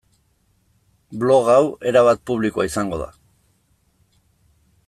Blog hau erabat publikoa izango da.